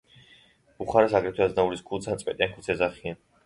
ბუხარას აგრეთვე „აზნაურის ქუდს“ ან „წვეტიან ქუდს“ ეძახიან.